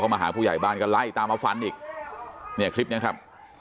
มาหาผู้ใหญ่บ้านก็ไล่ตามมาฟันอีกเนี่ยคลิปเนี้ยครับ